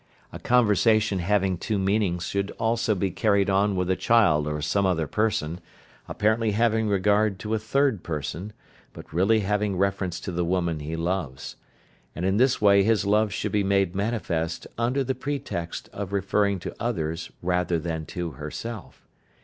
A conversation having two meanings should also be carried on with a child or some other person, apparently having regard to a third person, but really having reference to the woman he loves, and in this way his love should be made manifest under the pretext of referring to others rather than to herself.